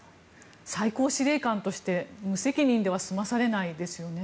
最高司令官として無責任では済まされないですよね。